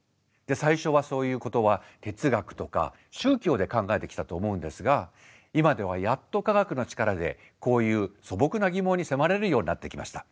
最初はそういうことは哲学とか宗教で考えてきたと思うんですが今ではやっと科学の力でこういう素朴な疑問に迫れるようになってきました。